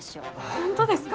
本当ですか？